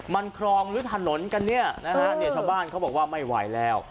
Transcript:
มันครองหรือถนนกันเนี่ยนะฮะเนี่ยชาวบ้านเขาบอกว่าไม่ไหวแล้ว